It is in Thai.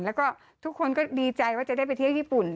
แล้วก็ทุกคนก็ดีใจว่าจะได้ไปเที่ยวญี่ปุ่น